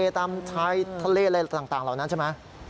ตามชายทะเลอะไรต่างเหล่านั้นใช่ไหม